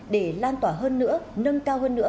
để lan tỏa hơn nữa nâng cao hơn nữa